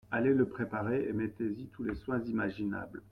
Allez le préparer… et mettez-y tous les soins imaginables…